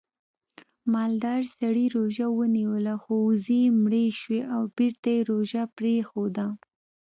مالدار سړي روژه ونیوله خو وزې یې مړې شوې او بېرته یې روژه پرېښوده